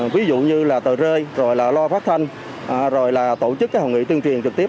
ví dụ như là tờ rơi rồi là loa phát thanh rồi là tổ chức cái hội nghị tuyên truyền trực tiếp